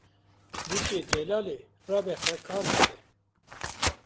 Bûkê delalê rabe xwe kar bike